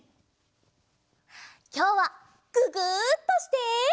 きょうはググッとして。